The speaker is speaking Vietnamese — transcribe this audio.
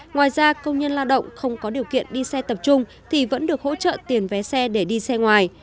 ngoài ra công nhân lao động không có điều kiện đi xe tập trung thì vẫn được hỗ trợ tiền vé xe để đi xe ngoài